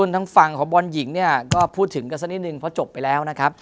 ทางฝั่งของบอลหญิงเนี่ยก็พูดถึงกันสักนิดนึงเพราะจบไปแล้วนะครับ